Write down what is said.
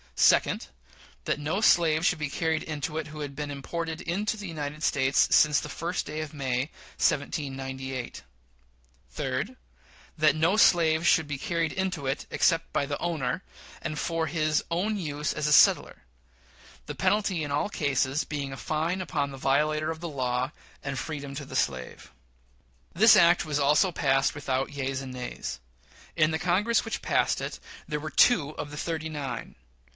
Second. That no slave should be carried into it who had been imported into the United States since the first day of May, 1798. Third. That no slave should be carried into it except by the owner, and for his own use as a settler; the penalty in all the cases being a fine upon the violator of the law, and freedom to the slave. This act also was passed without yeas and nays. In the Congress which passed it there were two of the "thirty nine."